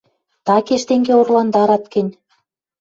Такеш тенге орландарат гӹнь?..